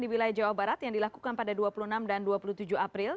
di wilayah jawa barat yang dilakukan pada dua puluh enam dan dua puluh tujuh april